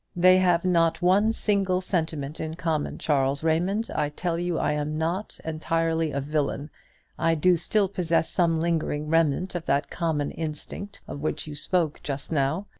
They have not one single sentiment in common. Charles Raymond, I tell you I am not entirely a villain; I do still possess some lingering remnant of that common instinct of which you spoke just now.